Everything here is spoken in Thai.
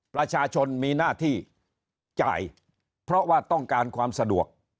ประชาชนมีหน้าที่จ่ายเพราะว่าต้องการความสะดวก